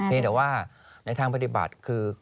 แต่ว่าในทางปฏิบัติคือ